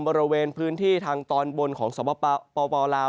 บริเวณพื้นที่ทางตอนบนของสปลาว